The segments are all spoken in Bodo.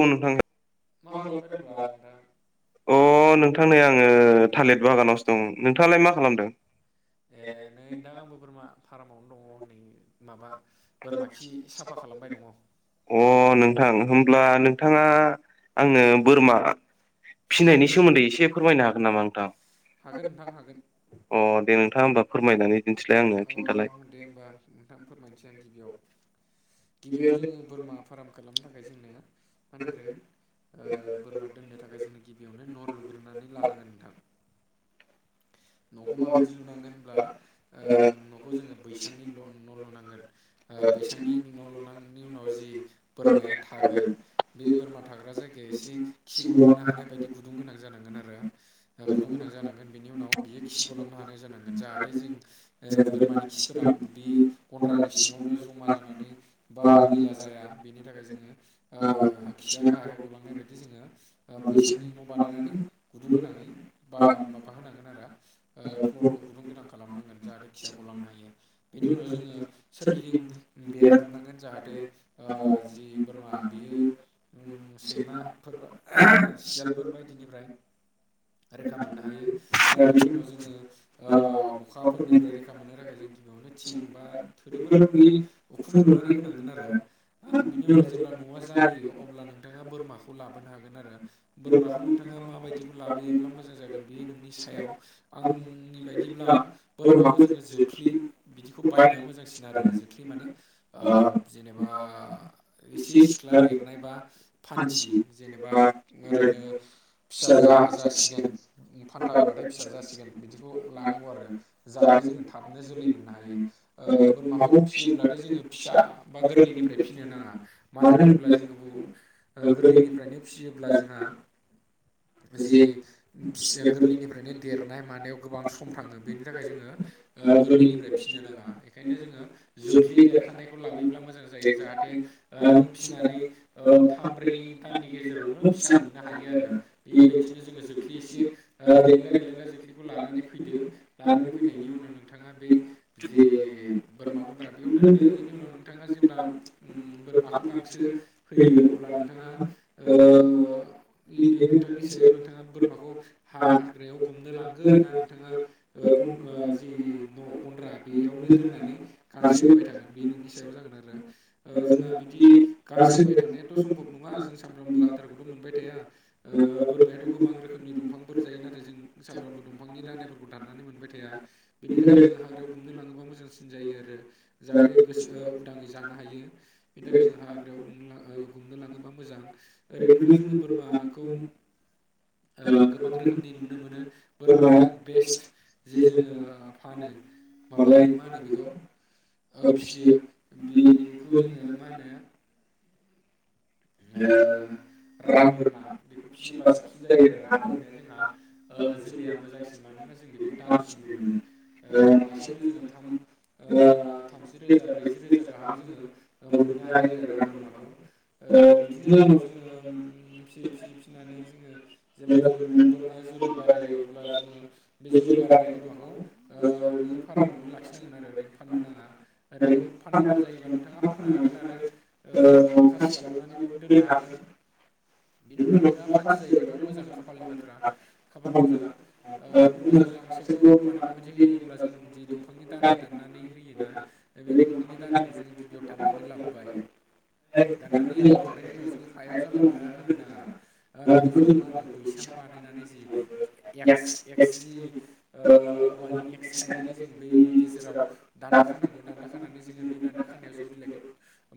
औ नोंथां। मा खालामदो ओमबा नोंथां? अ नोंथां नै आङो थालिर बागानावसो दं नोंथाङालाय मा खालामदों? ए नै नोंथां आंबो बोरमा फार्मावनो दङ नै माबा अ नोंथां हब्ला नोंथाङा आंनो बोरमा फिनायनि सोमोन्दै एसे फोरमायनो हागोन नामा नोंथां? हागोन नोंथां हागोन अ दे नोंथाङा होमबा फोरमायनानै दिन्थिलाय आंनो अ खिन्थालाय। दे होमबा नोंथां फोरमायनोसै आं गिबियाव गिबियावनो जोङो बोरमा फार्म खालामनो थाखाय जोंनो ह नांग्रौगोन। ओ बोरमा दोननो थाखाय जोङो गिबियावनो न' लुग्रोनानै लानांगोन नोंथां न'खौ माबायदि लुनांगोन होनब्ला नखौ जों बैसांनि न लुनागोन उनाव जी बोर माया थागोन बे बोरमा थाग्रा जायगाया एसे खिगलांनो हानाय बायदि गुदुं गोनां जानांगोन आरो गुदुं गोनां जानांगोन बेनि उनाव बियो खिगलांनो हानाय जानांगोन जाहाथे जों बोरमानि सिफोरा बे गन्द्रानि सिङावनो जमा जाना नानै बा मैला जाया बेनि थाखाय जोङो खिया हायाव गलांनाय बायदि जोङो बैसांनि न' बानायनानै गुदुं गोनाङै ब माबा होनांगोन आरो ओ फ्ल'रखौ गुुं गुदुं गोनां खालामनांगोन। जाहाथे खिया गलांनो हायो बेनि उनाव जोङो सोरगिदिं बेरा दुमनांगोन जाहाथे ओ जि बोरमा बियो सैमाफोरा सियालफोर बायदिनिफ्राय रैखा मोननो हायो बिनि उनाव जोङो ओ अखा फोरनिफ्राय रैखा मोननो थाखाय जों गिबियावनो थिं बा थुरिफोरनि उखुम लुनानै होनांगोन आरो बिनि उनाव जेब्ला न'आ जायो अब्ला नोंथाङा बोरमाखौ लाबोनो होगोन आरो बोरमाखौ नोंथाङा माबायदिखौ लाबोयोब्ला मोजां जागोन बेयो नोंनि सायाव आंनि बायदिब्ला बोरमाखौ जोङो जोख्लि बिदिखौ बायनाया मोजांसिन आरो जो लि माने ओ जेनेबा एसे सिख्ला देरनाय बा फान्थि जेनेबा ओरैनो [unintelligible] फिसा जासिगोन फान्था होबाथाय फिसा जासिगोन बिदिखौ लानांगौ आरो। जाहाथे जोङो थाबनो जोलै मोननो हायो। ओ बोरमाखौ फिसियोब्लाथाय जोङो फिसा बा गोरलैनिफ्राय फिनो नाङा मानो होनोब्ला जोङो गोरलैनिफ्रायनो फिसियोब्ला जोंहा जे फि गोरलैनिफ्रायनो देरनाय मानायाव गोबां सम थाङो बेनि थाखाय जोङो ओ गोरलैनिफ्राय फिसिनो नाङा बेखायनो जोङो जोख्लि देरखानायखौ लाबोयोब्ला मोजां। जायो जाहाथे नों फिसिनानै ओ थाम ब्रै दाननि गेजेरावनो फिसा मोननो हायो। आरो बेबायदिनो जोङो जोख्लि एसे देलेंगा देलेंगा जोख्लिखौ लानानै फैदो। लानानै फैनायनि उनाव नोंथाङा बे जे बोरमा गन्द्रा बेयाव दोनदो बेनि उनाव नोंथाङा जेब्ला बोरमाखौ गांसो होयो अब्ला नोंथाङा ओ बे नोंथांनि सायाव नोंथाङा बोरमाखौ हा हाग्रायाव गुमनो लांगोन ना नोंथाङा जि न' गन्द्रा बेयावनो दोननानै गांसो होबाय थागोन बे नोंनि सायाव जागोन। ओ जोंहा बिदि गांसो होबाय थानायाथ' समब नङा सामब्रामबो आदारखौथ' मोनबाय थाया ओ बोरमायाथ' गोबां रोखोमनि दंफांफोर जायो न आरो जों सामफ्रोमबो दंफांनि दानायफोरखौ दाननानै मोनबाय थाया बेनि थाखाय जोङो हाग्रायाव गुमनो लाङोबा मोजांसिन जायो आरो जाहाथे गोसो उदाङै जानो हायो बेनि थाखाय जों हाग्रायाव गुमनो लाङोबा मोजां ओरैनोथ' जोङ बोरमाखौ ओ गोबां रोखोमनि नुनो मोनो बोरमाया बेस्ट जे जोङो फानो माबायो मा होनो बेखौ ओ फियो बेखौ जोङो मा होनो ओ [unintelligible] राम बोरमा बेखौ फियोबा साबसिन जायो आरो राम बोरमाया जोंहा ओ जोलैया मोजांसिन मानो ना जों बेखौ दामसिनबो मोनो ओ मासेयावनो जोङो थाम ओ थामजि रोजा ब्रै जि रोजा गाहाम जोङो ओ मोननो हायो आरो राम बोरमाखौ ओ ओ बिदिनो उनाव जोङो उम फियै फियै फिनानै जोङो जेब्ला जोरमाया बोरमाया जोल लै बारायो अब्ला जोङो बे जोलै बारायनाय बोरमाखौ ओ नोङो फारामावनो लाखिनांगोन आरो रि फाननो नाङा ओरैनो फान्थाफोर जायोबा नोंथाङा फाननो हागोन आरो ओ खासि खालामनानैबाबो दोननो हागोन [unintelligible] बिनि उनाव नोंथाङा फान्थि जायोबाथ' मोजां खाफालनि बाथ्रा खाफाल मोजां ओ बिनि उनाव जों गा गांसोखौ बोरमानो माबायदि होयो होनब्ला जों दि दंफांनि दानाइ दाननानै होयोना ओ बे दंफांनि दानाइ खौ जोङो गिबियाव दाननानै लाबोबाय औ। दाननानै लाबोखांनायनि उनाव जों हायाव जानला मोनला होनो नाङा। ओ बेखौ जोङो मा होनो बैसां बानायनानै जि एक्स एक्स जि ओ औवानि एक्स गायनानै जों बै गेजेराव दान्दा खानांगौ दान्दा खानानै जोङो बे दान्दा खानायाव जों बिलाइ गुद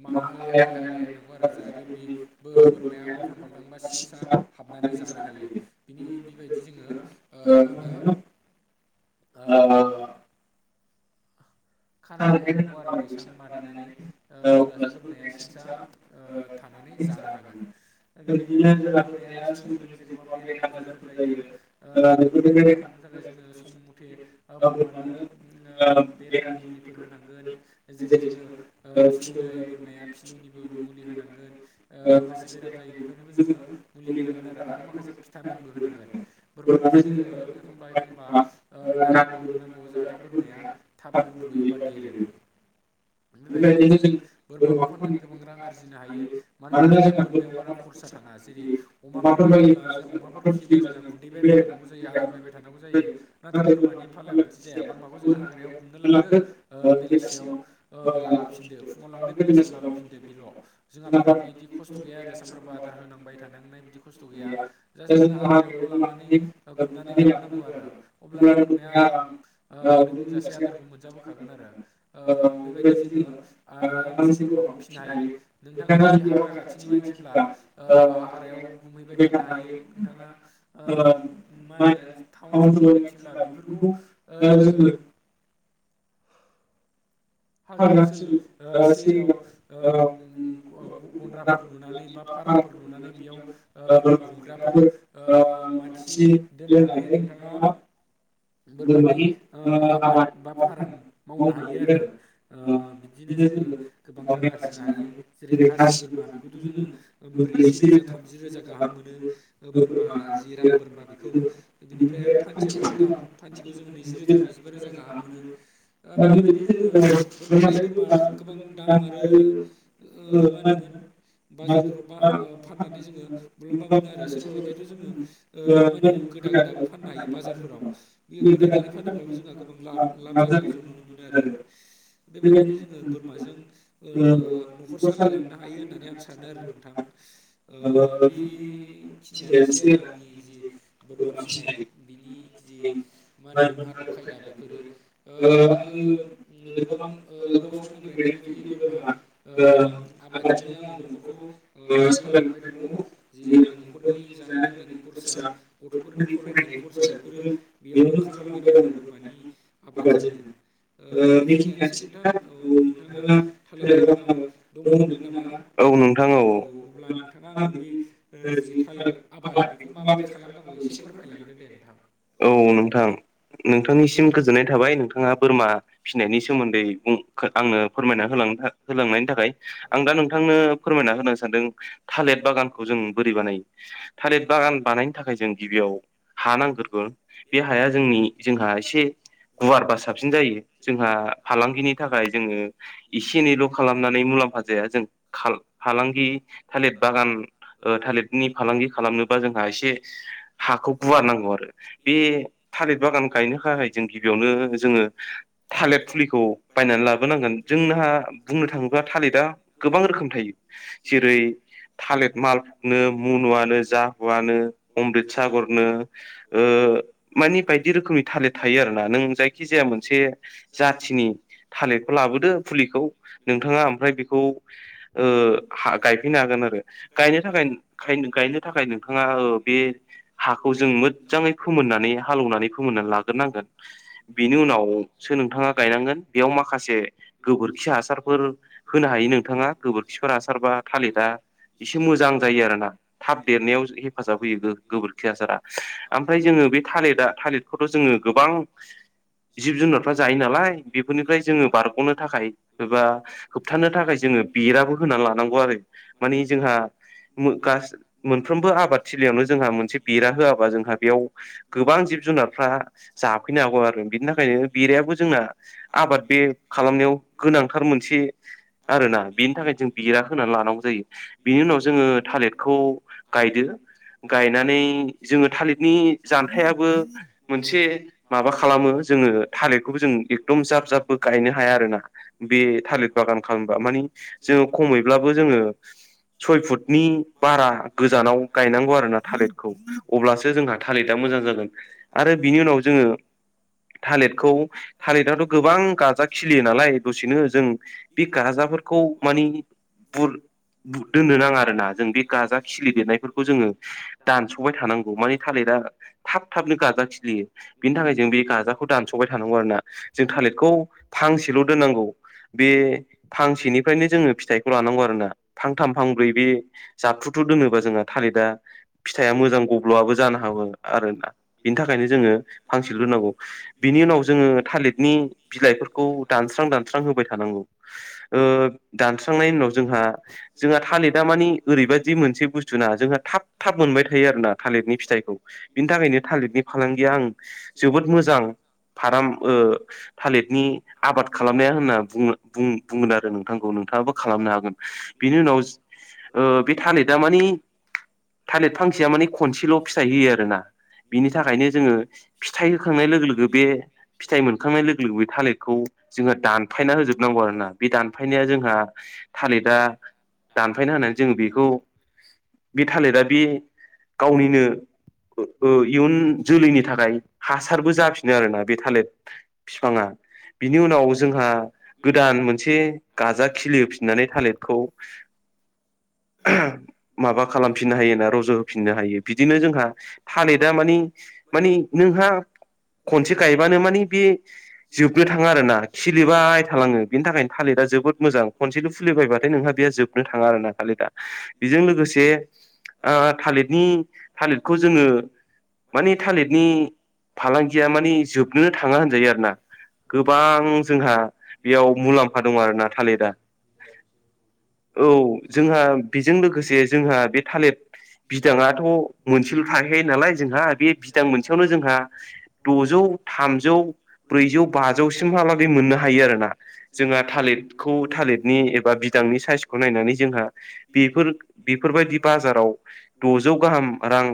मा आलाय आलाय आलाय होनांगौ आरो जाहाथे बि बोर-बोरमाया उल्थां फाल्थां फिसा हाबनानै जानो हायो बिनि बेबायदि जोङो ओ मा होनो [inaudible] ओ। खानानै होनांगौ आरो बैसां बानायनानै ओ अब्लासो बोरमाया सिंसा ओ थानानै जानो हागोन ओ बिदिनो जोंहा बोरमाया समजों लोगोसे गोबां बेराम आजारफोर जाय यो ओ बेफोरनिफ्राय रेखा मोननो थाखाय जोङो सम मथे ओ बोरमानो उम ओब बेरामनि मुलिफोर होनांगोन जेरै जोङो ओ फिलौ जायो बोरमाया फिलौनिबो मुलि होनांगोन ओ माखासे बेराम जायो बेफोरनिबो जोङो मुलि होनांगोन आरो आर माखासे फिथामिन बो होनां गोन बोरमानो जोङो ओ एखमबा एखमबा ओ दानाबो होनो नांगौ जाहाथे बोरमाया थाब गब्ल'यो बा देरो बेबायदिनो जों बोरमाखौ फाननानै गोबां रां आरजिनो हायो मानोना जोंहा बोरमायाव बारा खरसा थाङा जेरै अमाफोर बायोब्ला जे अमाफोर फियोबा जोंहा गुन्दै बायबाय थानांगौ जायो आदार बायबाय थानांगौ जायो नाथाय बोरमानि फालायाव बिदि जाया बोरमाखौ जोङो हा ग्रायाव गुमनो लांदो ओ बेलासियाव ओ लाबोफिनदो फुङाव लांदो बेलासियाव लाबोफिन दो बिल' जोंहा बारा बिदि खस्थ' गैया आरो सामफ्रामबो आदार होनांबाय थानांनाय बिदि खस्थ' गैया जास नो हाग्रायावल' लांनानै ओ गुमनानै लाबोनांगौ आरो अब्लानो बोरमाया आराम ओ उदै बुंजासे आदारखौ मोनजा बोखागोन आरो ओ बेबायदि जोङा आरामसे बोरमाखौ फिनो हायो नोंथाङा जुदि हाग्रा खाथिनि मानसिब्ला ओ हाग्रायाव गुमहैबाय थानो हायो। नोंथाङा ओ मा होनो टाउन सहरनि मानसिब्ला बेफोरखौ ओ जोङो ओ। हाग्रा ओनसोल ओ सेराव ओम ग-गन्द्राफोर लुनानै बा फा फारामफोर लुनानै बेयाव ओ बोरमा गुमग्राफोर ओ मानसि दोननानै नोंथां [unintelligible] बोरमानि ओ आबाद बा फाराम मावनो हायो आरो। ओ बिदिनो जोङो गोबां रां आरजिनो हायो जेरै खासि बोरमा बेखौथ' जोङो उम ब्रैजि रोजा थामजि रोजा गाहाम मोनो बोरमा जिराम बोरमा बेखौ बिनिफ्राय आरो [unintelligible] खाथिखौ जोङो नैजि रोजा नैजिबा रोजा गाहाम मोनो दा बेबायदिनो जोङो बोरमालायै बोरमा गोबां दाम आरो ओ मा होनोमोन बाजारफ्राव बा ओ फाननानै जोङो मुलाम्बा मोनो आरो सोरबा बायदियाथ' जोङो ओ मा होनो गोदा गोदाबो फाननो हायो बाजारफोराव बि गोदानानै फानोब्लाबो जोंहा गोबां लाब लाब जानायखौ जों नुनो मोनो आरो। बेबायदिनो जोङो बोरमाजों न'खर सालायलांनो हायो होननानै आं सानो आरो नोंथां। ओ बेखिनायानोसै आरो आंनि जि बोरमा फिनाय बिनि नि जि मा होनोमोन आदब खायदा बेफोरो ओ आङो गोबां ओ गोबाव समनिफ्रायनो बिदि बोरमा ओ आबादजोंनो आङो न'खरखौ ओ साल सालायलांबाय दङ ज आंनि न'खरनि जानाय लोंनायनि खरसा गथ'फोरनि फरायनायनि खरसा बेफोर फोरो बेयावनो ओंखारलांबाय दं आरो बोरमानि आबादजोंनो बेखिनियानोसै नोंथां औ नोंथाङा थालिर बागानाव दं होनदोंमोन नामा औ औ अब्ला नोंथाङा आंनो बे जि थालिर आबाद बेखौ माबायदि खालामनांगौ एसे फोर मायलांदो दे नोंथां औ नोंथां नोंथांनिसिम गोजोननाय थाबाय नोंथाङा बोरमा फिसिनायनि सोमोन्दै आंनो फोरमायना होलां होलांनायनि थाखाय आं दा नोंथांनो फोरमायना होनो सानदों थालिर बागानखौ जों बोरै बानायो थालिर बागान बानायनो थाखाय जों गिबियाव हा नांग्रगोन बे हाया जोंनि जोंहा एसे गुवारबा साबसिन जायो जोंहा फालांगिनि थाखाय जोङो एसे एनैल' खालामनानै मु मुलाम्फा जाया जों फांगि थालिर बागान थालिरनि फालांगि खालामनोबा जोंहा एसे हाखौ गुवार नांगौ आरो बे थालिर बागान गायनो थाखाय जों गिबियावनो जोङो थालिर फुलिखौ बायनानै लाबोनांगोन जोंनाहा बुंनो थाङोबा थालिरा गोबां रोखोम थायो जेरै थालिर मालफुखनो मुनुआनो जाहुआनो अम्रित सागरनो मानि बायदि रोखोमनि थालिर थायो आरोना नों जायखि जाया मोनसे जाथिनि थालिर खौ लाबोदो फुलिखौ नोंथाङा ओमफ्राय बेखौ गायफैनो हागोन आरो गायनो थाखाय गायनो थाखाय नोंथाङा बे हाखौ जों मोजाङै फोमोननानै हालौवनानै फोमोननानै लाग्रोनांगोन बेनि उनावसो नोंथाङा गायनांगोन बेयाव म माखासे गोबोरखि हासारफोर होनो हायो नोंथाङा गोबोरखिफोर हासारबा थालिरा इसे मोजां जायो आरो ना थाब देरनायाव हेफाजाब होयो गोबोरखि हासारा ओमफ्राय जोङो बे थालिरा थालिरखौथ' जोङो गोबां जिब जुनारफ्रा जायो नालाय बेफोरनिफ्राय जोङो बार बरग'नो थाखाय एबा होबथानो थाखाय जोङो बेराबो होना लानांगौ आरो मानि जोंहा मोनफ्रोमबो आबाद थिलियावनो जोंहा मोनसे बेरा होआबा जोंहा बेयाव गोबां जिब जुनारफ्रा जाफैनो हागौ आरो बिनि थाखायनो बेरायाबो जोंना आबाद बे खालामनायाव गोनांथार मोनसे आरोना बिनि थाखाय जों बेरा होनानै लानांगौ जायो बिनि उनाव जोङो थालिरखौ गायदो गायनानै जोङो थालिर नि जाथायाब मोन माबा खालामो जोंओ थालिरखौबो जोंओ जाब जाबबो गायनो हाया आरोना बे थालिर बागान खालामबा मानि जोंओ खमैब्लाबो जोङो सय फुटनि बारा गोजानाव गायनांगौ आरोना थालिरखौ अब्लासो जोंहा थालिरा मोजां जागोन आरो बिनि उनाव जोङो थालिरखौ थालिरथ' आथ गोबां गाजा खिलियो नालाय दसेनो जों बे गाजाफोरखौ मानि बुर दोननो नाङा आरो ना जों बे गाजा खिलिदेरनायफोरखौ जोङो दानस'बाय थानांगौ मानिे थालिरा थाब थाबनो गाजा खिलियो बेनि थाखाय जों बे गाजाखौ दानस'बाय थानांगौ आरो ना जों थालिरखौ फांसेल दोनो नांगौ बे फांसे निफ्रायनो जोङो फिथाइखौ लानांगौ आरोना फांथाम फांब्रै बे जाबथुथु दोनोबा जोंहा थालिरा फिथाइआ मोजां गब्ल'आबो जानो हागो आरोना बिनि थाखायनो जोङो फांसे ल दोनो नांगौ बिनि उनाव जोङो थालिरनि बिलाइफोरखौ दानस्रां दानस्रां होबाय थांनांगौ ओ दानस्रांनायनि उनाव जोंहा जोंहा थालिरा मानि ओरैबायदि मोनसे बुस्थुना जोंहा थाब थाब मोनबाय थायो आरोना थालिरनि फिथाइखौ बिनि थाखायनो थालिरनि फालांगिया आं जोबोद मोजां फार्म ओ थालिरनि आबाद खालामनाया होनना बु बुंगोन आरो नोंथांखौनो नोंथाङाबो खालामनो हागोन बेनि उनाव बे थालिरिरा मानि थालिर फांसेया माने खनसेल' फिथाइ होयो आरो ना बिनि थाखायनो जोङो फिथाइ होखांनाय लोगो लोगो बे फिथाइ मोनखांनाय लोगो लोगो बे थालिर खौ जोङो दानफायना होजोबनांगौ आरोना बे दानफायनाया जोंहा थालिरिर दा दानफायना होनानै जों बेखौ बे थालिरा बे गावनिनो इयुन जोलैनि थाखाय हासारबो जाफिन बिनो आरोना बे थालिर बिफाङा बिनि उनाव जोंहा गोदान मोनसे गाजा खिलिफिननानै थालिरखौ [inaudible] माबा खालामफिननो हायो ना रज' होफिननो हायो बिदि बिदिनो जोंहा थालिरा मानि मानि नोंहा खनसे गायबानो माने बे जोबनो थाङा आरो ना खिलिबाय थालाङो बिनि थाखायनो थालिरा जोबोद मोजां खनसेल' फुलिबायबाथाय नोंहा बेहा जोबनो थाङा आर ना खालि बेजों लोगोसे थालिरनि थालिरखौ जोङो माने थालिरनि फालांगिया माने जोबनोनो थाङा होनजायो आरो ना गोबां जोंहा बेयाव मुलाम्फा दं आरोना थालिरा [inaudible] औ जोंहा बेजों लोगोसे जोंहा बे थालिर बिदाङाथ' मोनसेल' थाहैयो नालाय जोंहा बे बिदां मोनसेयावनो जोंहा द'जौ थामजौ ब्रैजौ बाजौसिमहालाग मोननो हायो आरोना जोंहा थालिरखौ थालिरनि एबा बिदांनि साइसखौ नायनानै जोंहा बेफोर बेफोरबायदि बाजाराव द'जौ गाहाम रां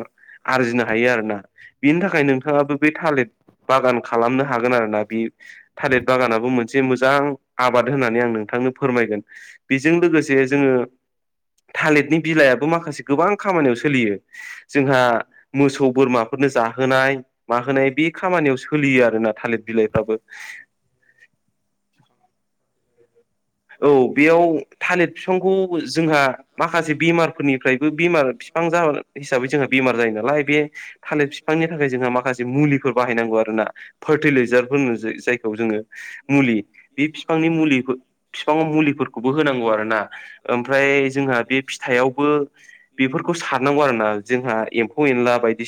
आरजिनो हायो आरोना बेनि थाखाय नोंथाङाबो बे थालिर बागान खालामनो हागोन आरोना बे थालेिर बागानाबो मोनसे मोजां आबाद होननानै आं नोंथां फोरमायगोन बेजों लोगोसे जोङो थालिरनि बिलाइाबो माखासे गोबां खामानियाव सोलियो जोंहा मोसौ बोरमाफोरनो जाहोनाय माहोनाय बे खामानियाव सोलियो आरो न थालिर बिलाइफ्राबो [inaudible] औ बेयाव थालिर बिफांखौ जोंहा माखासे बेमारफोरनिफ्रायबो बेमार बिफां हिसाबै जोंहा बेमार जायो नालाय बे थालिर बिफांनि थाखाय जोंहा माखासे मुलिफोर बाहायनांगौ आरो फार्टिलाइजारफोर जायखौ जोङो मुलि बे बिफांनि मुलि बिफां मुलिफोरखौबो होनांगौ आरोना ओमफ्राय जोंहा बे फिथाइयावबो बेफोरखौ सारनांगौ आरो जोंहा एम्फौ एनला बायदिसिना